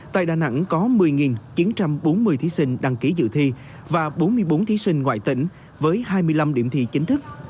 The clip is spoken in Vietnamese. tại đà nẵng có một mươi chín trăm bốn mươi thí sinh đăng ký dự thi và bốn mươi bốn thí sinh ngoại tỉnh với hai mươi năm điểm thi chính thức